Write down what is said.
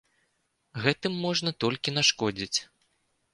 Гэтым можна толькі нашкодзіць.